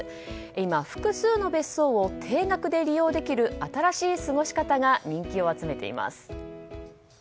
今、複数の別荘を定額で利用できる新しい過ごし方が人気を集めています。